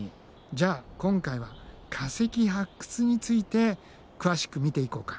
じゃあ今回は化石発掘について詳しく見ていこうか。